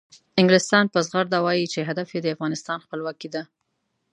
انګلستان په زغرده وایي چې هدف یې د افغانستان خپلواکي ده.